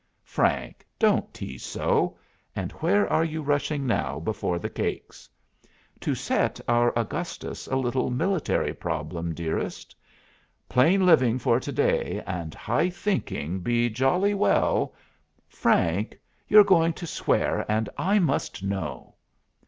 "Frank, don't tease so! And where are you rushing now before the cakes?" "To set our Augustus a little military problem, dearest. Plain living for to day, and high thinking be jolly well " "Frank, you're going to swear, and I must know!"